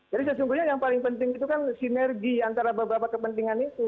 sesungguhnya yang paling penting itu kan sinergi antara beberapa kepentingan itu